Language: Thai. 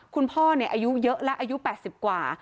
คุณพ่อเนี่ยอายุเยอะและอายุ๘๐กว่า